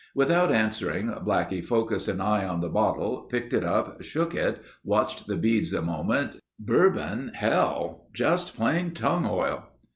Without answering, Blackie focused an eye on the bottle, picked it up, shook it, watched the beads a moment. "Bourbon hell ... just plain tongue oil."